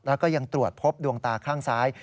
แล้วก็ยังตรวจพบดวงตาข้างซ้าย